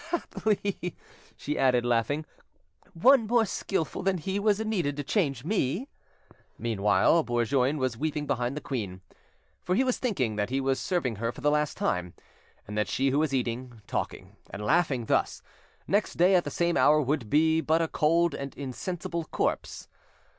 "Happily," she added, laughing, "one more skilful than he was needed to change me". Meanwhile Bourgoin was weeping behind the queen, for he was thinking that he was serving her for the last time, and that she who was eating, talking, and laughing thus, next day at the same hour would be but a cold and insensible corpse.